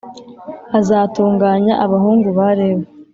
azatunganya abahungu ba Lewi